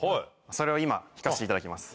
それを今弾かせていただきます。